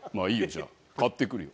じゃあ買ってくるよ。